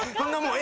・え！？